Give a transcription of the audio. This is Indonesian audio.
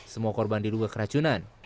semua korban diluga keracunan